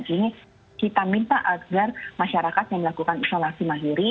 ini kita minta agar masyarakat yang melakukan isolasi mandiri